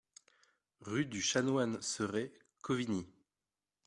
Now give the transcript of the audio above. Rue du Chanoine Seret, Cauvigny